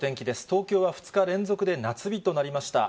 東京は２日連続で夏日となりました。